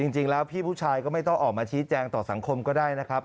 จริงแล้วพี่ผู้ชายก็ไม่ต้องออกมาชี้แจงต่อสังคมก็ได้นะครับ